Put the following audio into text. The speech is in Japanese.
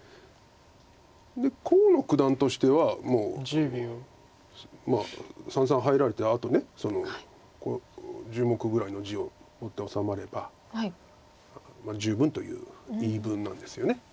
で河野九段としてはもう三々入られたあと１０目ぐらいの地を持って治まればまあ十分という言い分なんですよね。